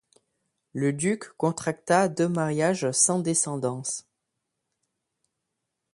Le duc contracta deux mariages sans descendance.